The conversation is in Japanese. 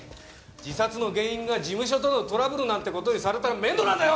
自殺の原因が事務所とのトラブルなんて事にされたら面倒なんだよ！